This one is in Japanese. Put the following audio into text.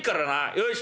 よし。